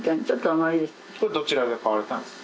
これどちらで買われたんですか？